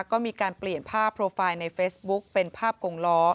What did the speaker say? ก็มีการเปลี่ยนภาพโปรไฟล์ในเฟซบุ๊คเป็นภาพกงล้อ